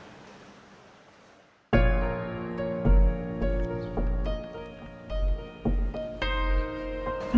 asli bapak wkm saya bisa bisa ke tempatatsamu